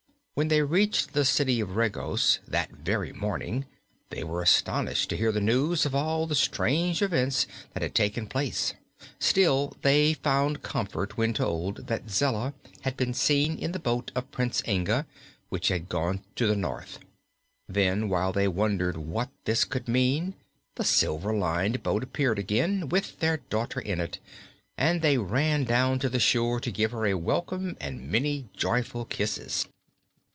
When they reached the City of Regos, that very morning, they were astonished to hear news of all the strange events that had taken place; still, they found comfort when told that Zella had been seen in the boat of Prince Inga, which had gone to the north. Then, while they wondered what this could mean, the silver lined boat appeared again, with their daughter in it, and they ran down to the shore to give her a welcome and many joyful kisses.